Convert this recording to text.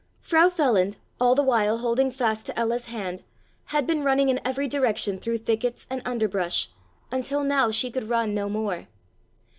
Frau Feland, all the while holding fast to Ella's hand, had been running in every direction through thickets and underbrush, until now she could run no more.